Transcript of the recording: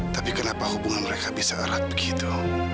tapi kenapa hubungan mereka bisa erat begitu